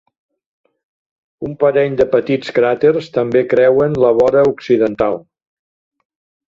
Un parell de petits cràters també creuen la vora occidental.